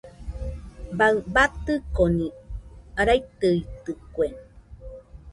Baɨ batɨnokoni raitɨitɨkue.